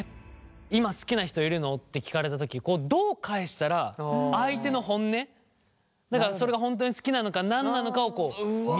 「今好きな人いるの？」って聞かれたときどう返したら相手の本音だからそれが本当に好きなのか何なのかを見極められるのか。